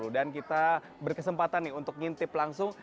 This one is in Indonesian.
dan kita berkesempatan untuk ngintip langsung